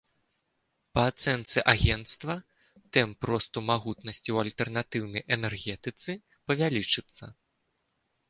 Па ацэнцы агенцтва, тэмп росту магутнасці ў альтэрнатыўнай энергетыцы павялічыцца.